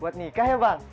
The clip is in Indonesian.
buat nikah ya bang